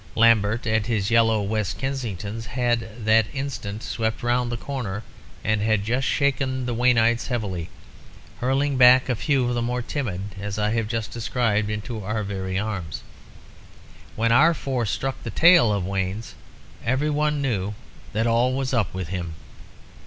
Lambert and his yellow West Kensingtons had that instant swept round the corner and had shaken the Waynites heavily, hurling back a few of the more timid, as I have just described, into our very arms. When our force struck the tail of Wayne's, every one knew that all was up with him.